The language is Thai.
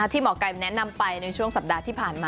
หมอไก่แนะนำไปในช่วงสัปดาห์ที่ผ่านมา